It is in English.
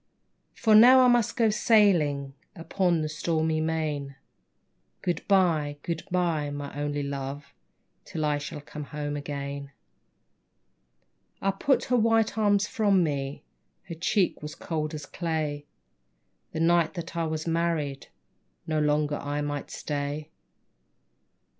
For now I must go sailing Upon the stormy main ; Good bye, good bye, my only Love, Till I shall come again. I put her white arms from me, Her cheek was cold as clay. The night that I was married No longer I might stay.